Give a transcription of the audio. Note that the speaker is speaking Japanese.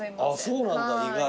そうなんだ意外。